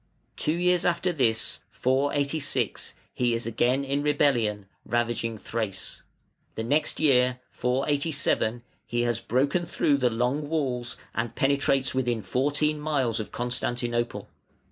Two years after this (486) he is again in rebellion, ravaging Thrace; the next year (487) he has broken through the Long Walls and penetrates within fourteen miles of Constantinople.